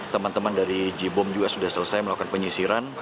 teman teman dari j bom juga sudah selesai melakukan penyisiran